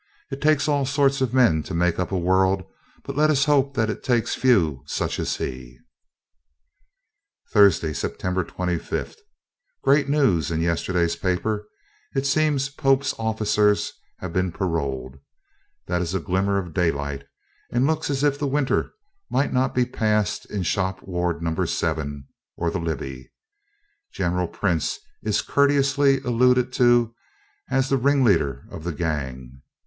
It takes all sorts of men to make up a world, but let us hope that it takes few such as he. Thursday, September 25. Great news in yesterday's paper. It seems Pope's officers have been paroled. That is a glimmer of daylight, and looks as if the winter might not be passed in shop ward No. 7, or the Libby. General Prince is courteously alluded to as "the ringleader of the gang."